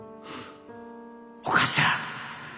お頭！